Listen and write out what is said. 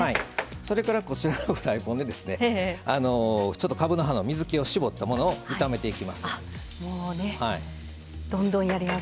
それからこちらのフライパンでかぶの葉の水けを絞ったものを炒めていきます。